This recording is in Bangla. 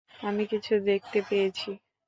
আমি কিছু দেখতে পেয়েছি।